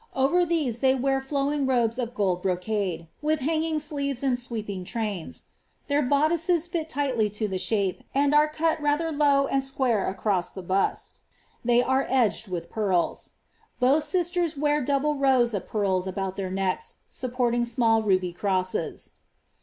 Over ihwe they wear flowing robes of gold brocade, with hanging sleeves an sweeping trains. Tlieir boddices fit tightly to the shape, and are cut rather low and square across the bust; they are edged with pt^ri?. Both sisters wear double rows of pearls about their necks, supportins Kinall rubv crosses.